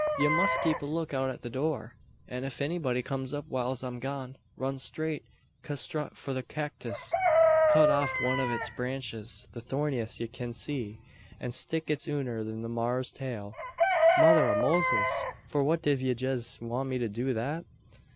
Ye must keep a look out at the door; an ef anybody kums up whiles I'm gone, run straight custrut for the cacktis, cut off one o' its branches the thorniest ye kin see an stick it unner the maar's tail." "Mother av Moses! For what div yez want me to do that?"